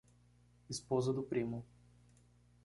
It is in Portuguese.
Esposa do primo